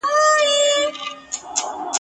نیم وجود دي په زړو جامو کي پټ دی !.